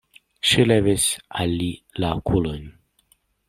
Ŝi levis al li la okulojn.